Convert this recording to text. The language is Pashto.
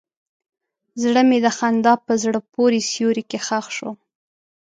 زړه مې د خندا په زړه پورې سیوري کې ښخ شو.